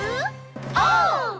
オー！